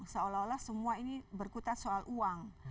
seolah olah semua ini berkutat soal uang